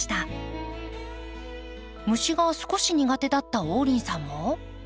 虫が少し苦手だった王林さんも。